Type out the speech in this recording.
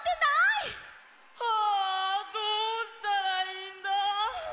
あどうしたらいいんだ！